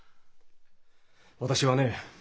私はね